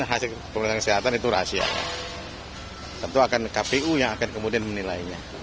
hasil pemeriksaan kesehatan itu rahasia tentu akan kpu yang akan kemudian menilainya